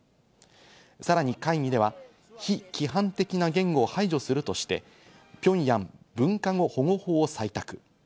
さらに会議では非規範的な言語を排除するとして、平壌文化語保護法を採択。